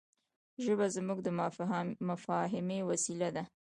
ژبه زموږ د مفاهيمي وسیله ده.